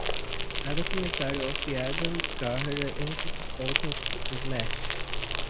A documentary of Odam's career, entitled Cotton Pickin' Smash!